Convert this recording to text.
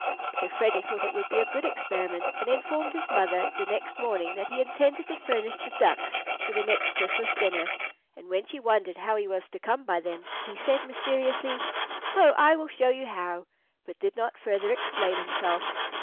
So Freddy thought it would be a good experiment, and informed his mother the next morning that he intended to furnish the ducks for the next Christmas dinner and when she wondered how he was to come by them, he said mysteriously, "Oh, I will show you how," but did not further explain himself.